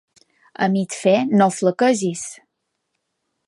A mig fer, no flaquegis!